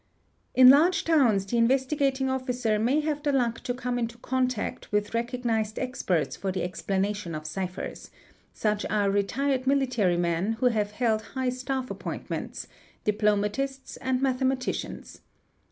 i In large towns the Investigating Officer may have the luck to come into contact with recognised experts for the explanation of ciphers; such are retired military men who have held high staff appointments, diploma tists, and mathematicians.